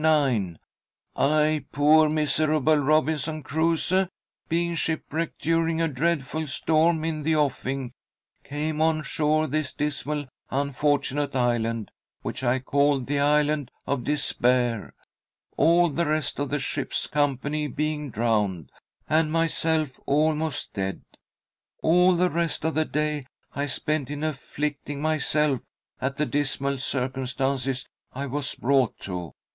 I, poor, miserable Robinson Crusoe, being shipwrecked during a dreadful storm in the offing, came on shore this dismal, unfortunate island, which I called the Island of Despair, all the rest of the ship's company being drowned, and myself almost dead. All the rest of the day I spent in afflicting myself at the dismal circumstances I was brought to, viz.